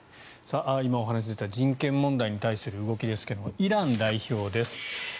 今、お話に出た人権問題に対する動きですがイラン代表です。